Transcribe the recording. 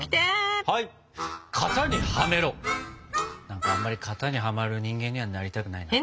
何かあんまり型にはまる人間にはなりたくないな。